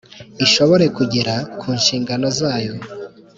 Ishobore kugera ku nshingano zayo